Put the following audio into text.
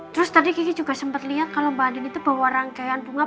terus tadi kiki juga sempat lihat kalau mbak andin itu bawa rangkaian bunga